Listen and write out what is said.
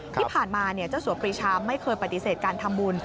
ที่ผ่านมาเจ้าสัวปรีชาไม่เคยปฏิเสธการทำบุญ